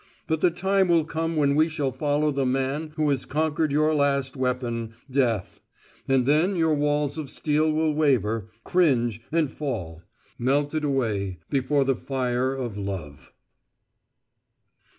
But the time will come when we shall follow the Man who has conquered your last weapon, death: and then your walls of steel will waver, cringe, and fall, melted away before the fire of LOVE."